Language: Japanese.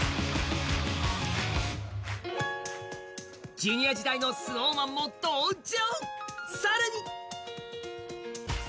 Ｊｒ．時代のＳｎｏｗＭａｎも登場。